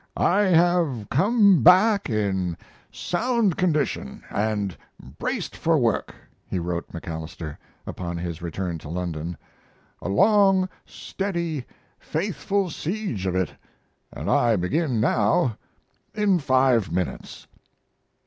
"I have come back in sound condition and braced for work," he wrote MacAlister, upon his return to London. "A long, steady, faithful siege of it, and I begin now in five minutes."